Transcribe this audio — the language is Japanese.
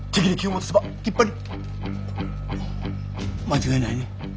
間違いないね。